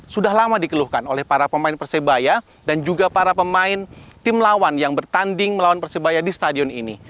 sudah lama dikeluhkan oleh para pemain persebaya dan juga para pemain tim lawan yang bertanding melawan persebaya di stadion ini